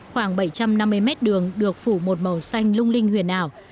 khoảng bảy trăm năm mươi mét đường được phủ một màu xanh lung linh huyền ảo